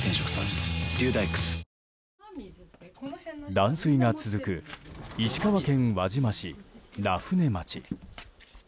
断水が続く石川県輪島市名舟町。